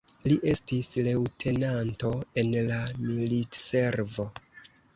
Li estis leŭtenanto en la militservo.